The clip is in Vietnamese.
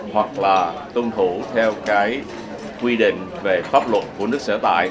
hoặc là tuân thủ theo cái quy định về pháp luật của nước sở tại